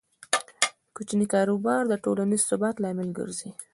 کوچني کاروبارونه د ټولنیز ثبات لامل ګرځي.